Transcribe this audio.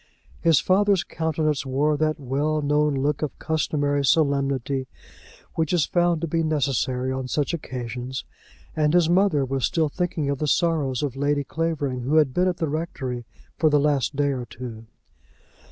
His father's countenance wore that well known look of customary solemnity which is found to be necessary on such occasions, and his mother was still thinking of the sorrows of Lady Clavering, who had been at the rectory for the last day or two.